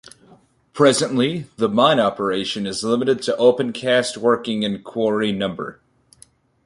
Presently the mine operation is limited to opencast working in Quarry no.